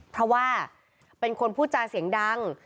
เพราะว่าเป็นคนพูดจาเสียงดัง